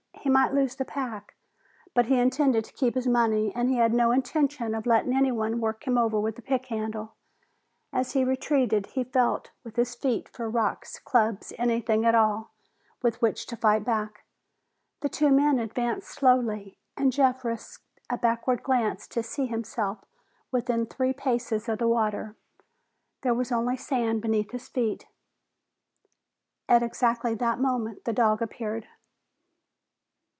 He might lose the pack. But he intended to keep his money and he had no intention of letting anyone work him over with a pick handle. As he retreated, he felt with his feet for rocks, clubs, anything at all with which to fight back. The two men advanced slowly, and Jeff risked a backward glance to see himself within three paces of the water. There was only sand beneath his feet. At exactly that moment, the dog appeared.